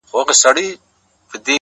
د چا خبرو ته به غوږ نه نيسو;